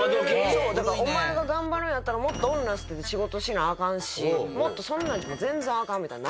だからお前が頑張るんやったらもっと女捨てて仕事しなアカンしもっとそんなんじゃ全然アカンみたいな。